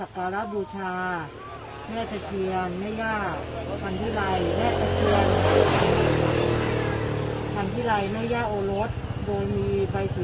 แข็งแรงเนอะ